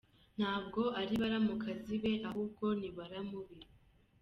Ntabwo ari baramukazibe ahubwo ni baramu be.